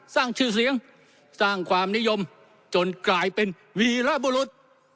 สร้างชื่อเสียงสร้างความนิยมจนกลายเป็นวีรบุรุษ